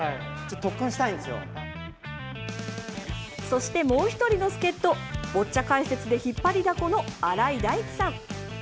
そして、もう１人の助っとボッチャ解説で引っ張りだこの新井大基さん。